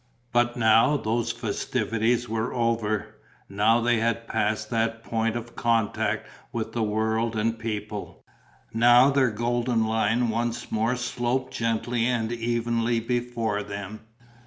But now those festivities were over, now they had passed that point of contact with the world and people, now their golden line once more sloped gently and evenly before them....